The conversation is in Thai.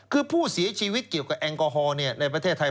คือผู้เสียชีวิตเกี่ยวกับแอลกอฮอล์ในประเทศไทย